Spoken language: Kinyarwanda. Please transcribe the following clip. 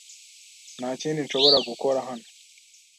Nta kindi nshobora gukora hano.